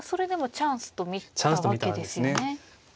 チャンスと見たんですね。